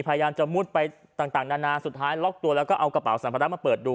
พยายามจะมุดไปต่างนานาสุดท้ายล็อกตัวแล้วก็เอากระเป๋าสัมภาระมาเปิดดู